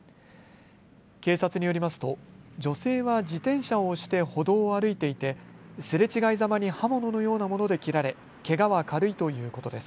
警察によりますと女性は自転車を押して歩道を歩いていてすれ違いざまに刃物のようなもので切られけがは軽いということです。